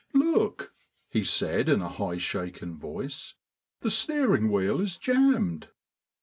"Look," he said in a high, shaken voice, "the steering wheel is jammed!"